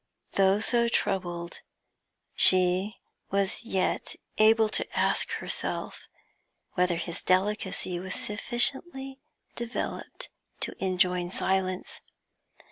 Though so troubled, she was yet able to ask herself whether his delicacy was sufficiently developed to enjoin silence.